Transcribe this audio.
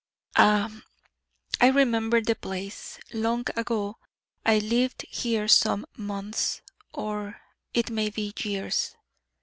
Ah, I remember the place: long ago I lived here some months, or, it may be, years.